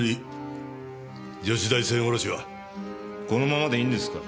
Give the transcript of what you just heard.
このままでいいんですか？